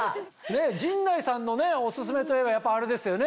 陣内さんのオススメといえばやっぱあれですよね？